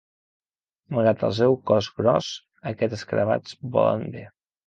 Malgrat el seu cos gros, aquests escarabats volen bé.